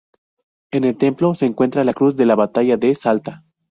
En el templo, se encuentra la cruz de la Batalla de Salta.